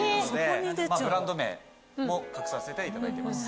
ブランド名も隠させていただいてます。